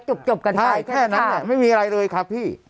จบกันได้ใช่แค่นั้นไม่มีอะไรเลยครับพี่